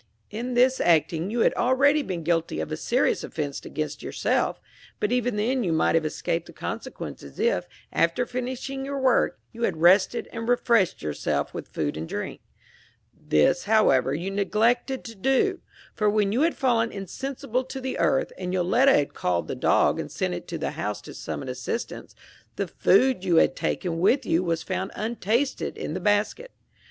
In thus acting you had already been guilty of a serious offense against yourself; but even then you might have escaped the consequences if, after finishing your work, you had rested and refreshed yourself with food and drink. This, however, you neglected to do; for when you had fallen insensible to the earth, and Yoletta had called the dog and sent it to the house to summon assistance, the food you had taken with you was found untasted in the basket.